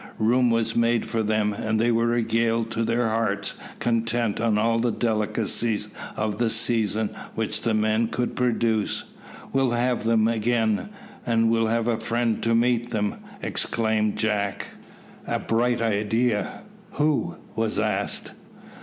Room was made for them, and they were regaled to their hearts' content on all the delicacies of the season which the men could produce. "We'll have them again, and we'll have a friend to meet them," exclaimed Jack. "A bright idea!" "Who?" was asked.